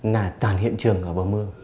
là toàn hiện trường ở bờ mương